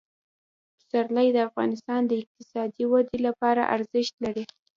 پسرلی د افغانستان د اقتصادي ودې لپاره ارزښت لري.